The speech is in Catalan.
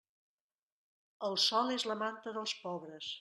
El sol és la manta dels pobres.